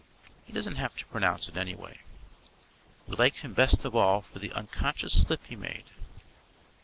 He doesn't have to pronounce it, anyway. We liked him best of all for the unconscious slip he made.